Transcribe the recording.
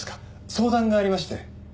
相談がありまして。